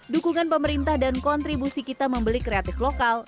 dukungan pemerintah dan kontribusi kita membeli kreatif lokal